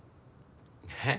えっ？